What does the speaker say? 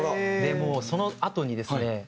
そのあとにですね